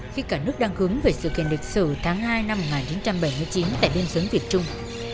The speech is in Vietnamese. khi cả nước đang hướng về sự kiện lịch sử tháng hai năm một nghìn chín trăm bảy mươi chín tại biên xứng việt trung